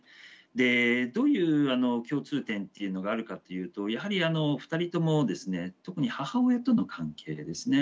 でどういう共通点っていうのがあるかっていうとやはり２人ともですね特に母親との関係でですね